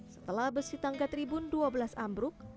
setelah besi tangga tribun dua belas ambruk